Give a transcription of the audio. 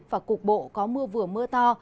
và cục bộ có mưa vừa mưa to